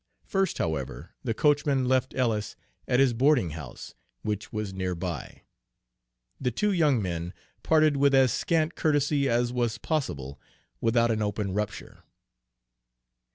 First, however, the coachman left Ellis at his boarding house, which was near by. The two young men parted with as scant courtesy as was possible without an open rupture.